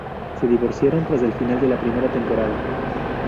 Se divorciaron tras el final de la primera temporada.